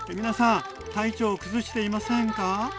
皆さん体調崩していませんか？